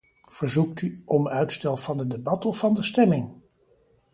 Verzoekt u om uitstel van het debat of van de stemming?